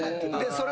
それ。